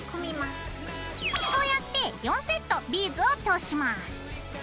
こうやって４セットビーズを通します。